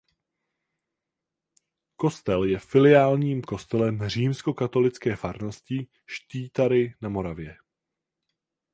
Kostel je filiálním kostelem římskokatolické farnosti Štítary na Moravě.